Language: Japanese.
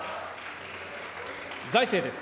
財政です。